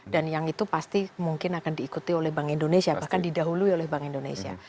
dan yang itu pasti mungkin akan diikuti oleh bank indonesia bahkan didahului oleh bank indonesia